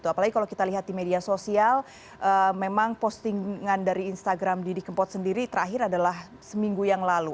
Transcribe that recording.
apalagi kalau kita lihat di media sosial memang postingan dari instagram didi kempot sendiri terakhir adalah seminggu yang lalu